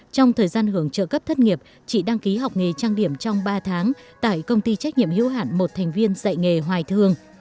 trong thời gian hưởng trợ cấp thất nghiệp chị đăng ký học nghề trang điểm trong ba tháng tại công ty trách nhiệm hữu hạn một thành viên dạy nghề hoài thương